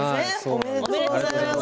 おめでとうございます。